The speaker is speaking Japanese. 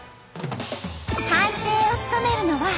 判定を務めるのは。